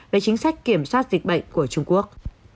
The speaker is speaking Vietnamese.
về chính sách kiểm soát dịch bệnh của trung quốc